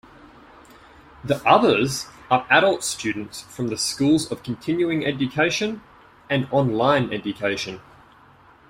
The others are adult students from the schools of Continuing Education and Online Education.